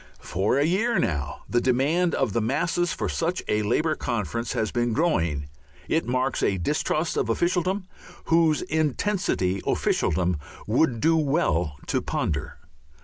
For a year now the demand of the masses for such a Labour conference has been growing. It marks a distrust of officialdom whose intensity officialdom would do well to ponder.